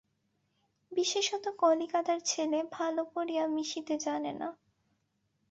বিশেষত কলিকাতার ছেলে ভালো করিয়া মিশিতে জানে না।